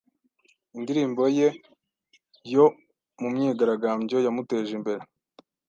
indirimbo ye yo mu myigaragambyo yamuteje imbere